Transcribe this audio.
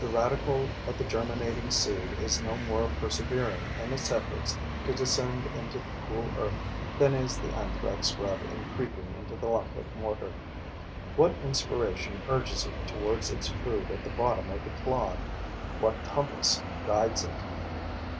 The radical of the germinating seed is no more persevering in its efforts to descend into the cool earth than is the Anthrax grub in creeping into the lump of mortar. What inspiration urges it towards its food at the bottom of the clod, what compass guides it?